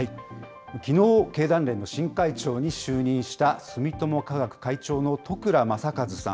きのう、経団連の新会長に就任した住友化学会長の十倉雅和さん。